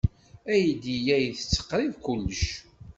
Aydi-a itett qrib kullec.